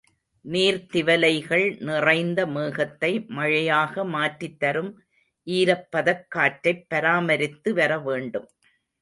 நீர்த்திவலைகள் நிறைந்த மேகத்தை மழையாக மாற்றித் தரும் ஈரப்பதக் காற்றைப் பராமரித்து வரவேண்டும்.